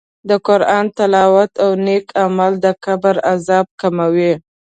د قرآن تلاوت او نېک عمل د قبر عذاب کموي.